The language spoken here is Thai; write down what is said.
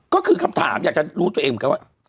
ก็คือคำถามอยากจะรู้ตัวเองเหมือนกันว่า